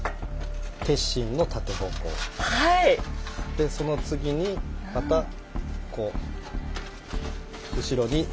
でその次にまたこう後ろに横方向。